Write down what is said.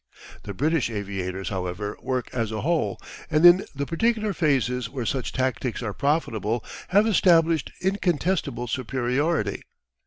The British aviators, however, work as a whole, and in the particular phases where such tactics are profitable have established incontestable superiority.